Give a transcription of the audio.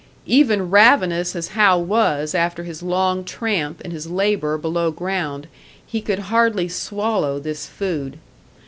Even ravenous as Hal was after his long tramp and his labour below ground, he could hardly swallow this food.